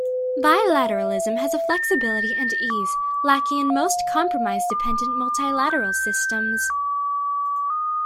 Bilateralism has a flexibility and ease lacking in most compromise-dependent multilateral systems.